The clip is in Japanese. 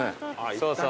そうそう。